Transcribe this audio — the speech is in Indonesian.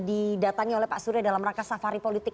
didatangi oleh pak surya dalam rangka safari politik